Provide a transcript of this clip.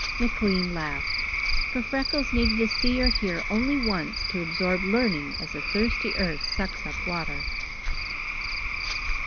McLean laughed, for Freckles needed to see or hear only once to absorb learning as the thirsty earth sucks up water.